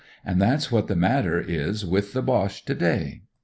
And that's what's the matter with the Boche to day.